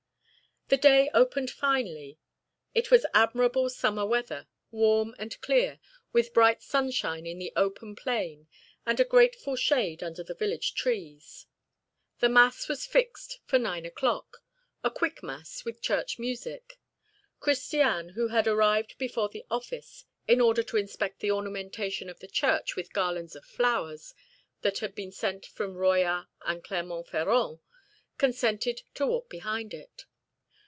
The day opened finely. It was admirable summer weather, warm and clear, with bright sunshine in the open plain and a grateful shade under the village trees. The mass was fixed for nine o'clock a quick mass with Church music. Christiane, who had arrived before the office, in order to inspect the ornamentation of the church with garlands of flowers that had been sent from Royat and Clermont Ferrand, consented to walk behind it.